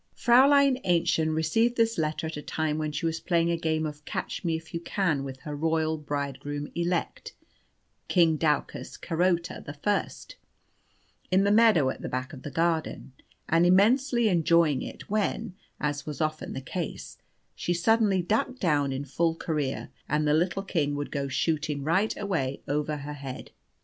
Fräulein Aennchen received this letter at a time when she was playing a game at "Catch me if you can" with her royal bridegroom elect, King Daucus Carota the First, in the meadow at the back of the garden, and immensely enjoying it when, as was often the case, she suddenly ducked down in full career, and the little king would go shooting right away over her head.